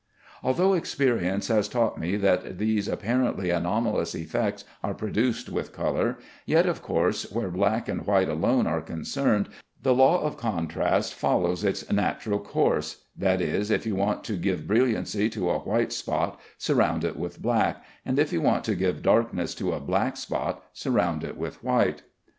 Although experience has taught me that these apparently anomalous effects are produced with color, yet, of course, where black and white alone are concerned, the law of contrast follows its natural course; that is, if you want to give brilliancy to a white spot, surround it with black; and if you want to give darkness to a black spot, surround it with white.